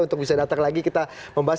untuk bisa datang lagi kita membahas